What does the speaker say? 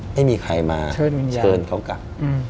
ไม่มีใครมาเชิญเขากลับ